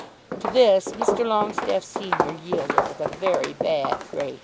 To this Mr. Longestaffe senior yielded with a very bad grace.